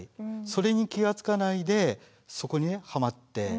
それに気が付かないでそこにはまって。